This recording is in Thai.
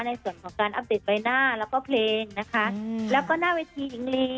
ในส่วนของการอัปเดตใบหน้าแล้วก็เพลงนะคะแล้วก็หน้าเวทีหญิงลี